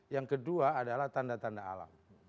yang kedua adalah tanda tanda alam